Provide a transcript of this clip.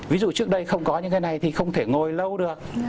ví dụ trước đây không có những cái này thì không thể ngồi lâu được